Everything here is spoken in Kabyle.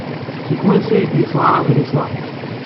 Seg wansi ay d-yesɣa adlis-a?